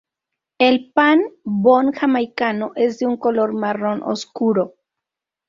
El pan bon jamaicano es de un color marrón oscuro.